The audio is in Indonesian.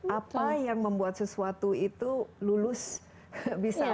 apa yang membuat sesuatu itu lulus bisa